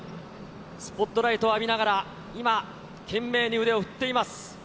スポットライトを浴びながら、今、懸命に腕を振っています。